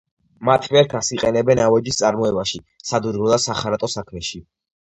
მათ მერქანს იყენებენ ავეჯის წარმოებაში, სადურგლო და სახარატო საქმეში.